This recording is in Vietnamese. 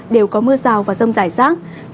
đều có mưa rào và rông rải rác